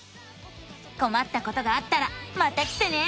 こまったことがあったらまた来てね！